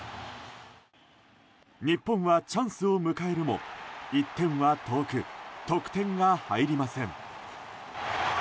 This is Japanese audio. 日本はチャンスを迎えるも１点は遠く、得点が入りません。